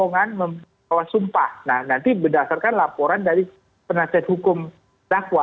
nah nanti berdasarkan laporan dari penyiasat hukum dakwah